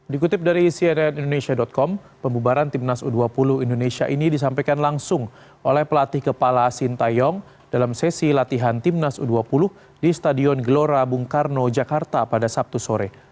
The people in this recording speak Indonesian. dikutip dari cnn indonesia com pembubaran timnas u dua puluh indonesia ini disampaikan langsung oleh pelatih kepala sintayong dalam sesi latihan timnas u dua puluh di stadion gelora bung karno jakarta pada sabtu sore